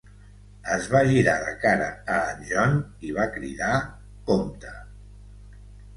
Es va girar de cara a en John i va cridar, "Compte!"